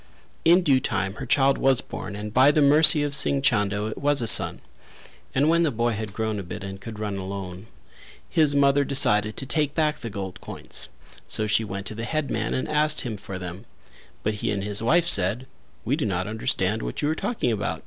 In due time her child was born and by the mercy of Singh Chando it was a son; and when the boy had grown a bit and could run alone his mother decided to take back the gold coins, so she went to the headman and asked him for them; but he and his wife said: "We do not understand what you are talking about?